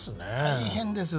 大変ですよ。